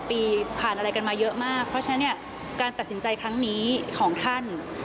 ปีผ่านอะไรกันมาเยอะมากเพราะฉะนั้นเนี่ยการตัดสินใจครั้งนี้ของท่าน